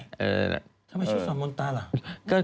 ทำไมชื่อสอนมนตาล่ะ